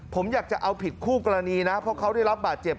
ผมอยากจะเอาผิดคู่กรณีนะเพราะเขาได้รับบาดเจ็บ